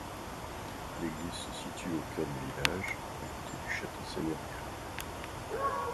L'église se situe au cœur du village, à côté du château seigneurial.